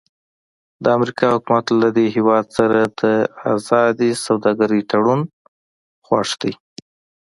د امریکا حکومت له دې هېواد سره د ازادې سوداګرۍ تړون خوښ دی.